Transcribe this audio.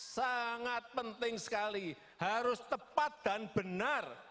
sangat penting sekali harus tepat dan benar